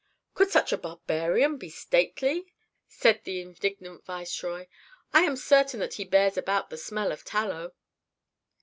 "Could such a barbarian be stately!" said the indignant viceroy. "I am certain that he bears about the smell of tallow."